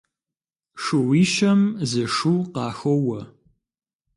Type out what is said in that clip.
Шууищэм зы шу къахоуэ.